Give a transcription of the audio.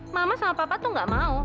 mama sama papa tuh gak mau